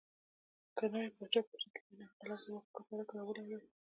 که نوي پاچا پرتمین انقلاب د واک لپاره کارولی وای.